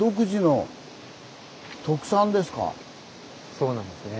そうなんですね。